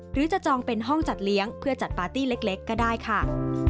หรือจะจองเป็นห้องจัดเลี้ยงเพื่อจัดปาร์ตี้เล็กก็ได้ค่ะ